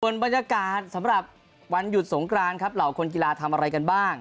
บรรยากาศสำหรับวันหยุดสงกรานครับเหล่าคนกีฬาทำอะไรกันบ้าง